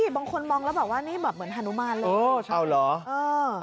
บางคนมองแล้วบอกว่านี่แบบเหมือนฮานุมานเลย